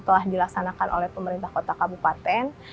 telah dilaksanakan oleh pemerintah kota kabupaten